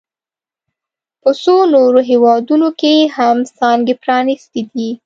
په څو نورو هېوادونو کې هم څانګې پرانیستي دي